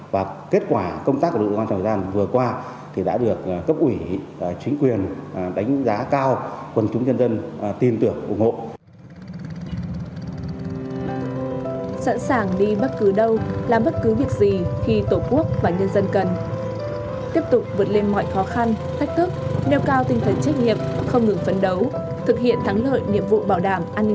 và kết quả công tác của lực lượng công an trong thời gian vừa qua